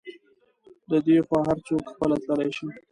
له دې خوا هر څوک خپله تللی شي.